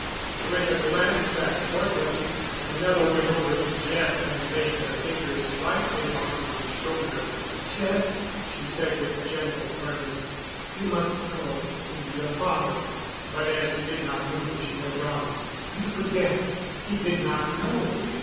With a glance at Cortland, Camilla went over to Jeff and laid her fingers lightly on his shoulder. "Jeff," she said with gentle firmness, "you must go—to your father." But, as he did not move, she went on. "You forget—he did not know.